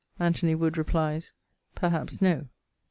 Anthony Wood replies 'Perhaps no.'